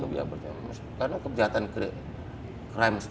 karena kejahatan crime